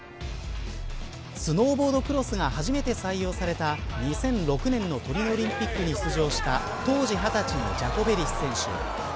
スノーボードクロスが初めて採用された２００６年のトリノオリンピックに出場した当時２０歳のジャコベリス選手。